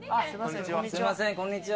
すいませんこんにちは。